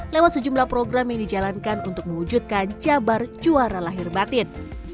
lewat sejumlah program yang dijalankan untuk mewujudkan jabar juara lahir batin